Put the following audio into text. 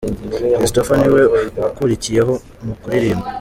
christopher niwe ukurikiyeho mu kuririmba.